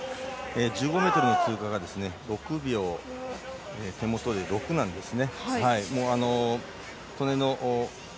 １５ｍの通過が６秒６なんですね。